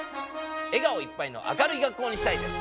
笑顔いっぱいの明るい学校にしたいです！